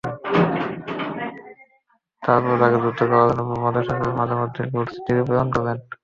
তারপর তাঁকে যুদ্ধ করার জন্য ভূমধ্য সাগরের মাঝে বিদ্যমান রোডস্ দ্বীপে প্রেরণ করলেন।